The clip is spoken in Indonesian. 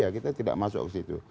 ya kita tidak masuk ke situ